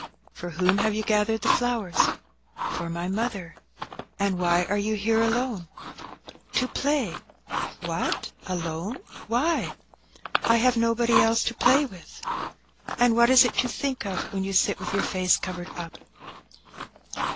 "For whom have you gathered the flowers?" "For my mother." "And why are you here alone?" "To play." "What, alone? Why?" "I have nobody else to play with." "And what is it you think of when you sit with your face covered up?"